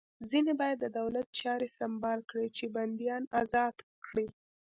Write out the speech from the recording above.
ځینې باید د دولت چارې سمبال کړي چې بندیان ازاد کړي